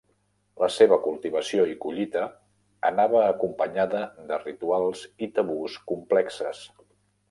La seva cultivació i collita anava acompanyada de rituals i tabús complexes.